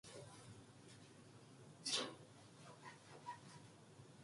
간혹 전차가 달아오고 달아가나 그 안은 몇 사람이 탔을 뿐이고 쓸쓸하였다.